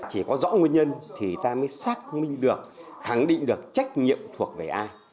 chỉ có rõ nguyên nhân thì ta mới xác minh được khẳng định được trách nhiệm thuộc về ai